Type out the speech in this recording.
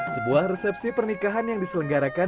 sebuah resepsi pernikahan yang diselenggarakan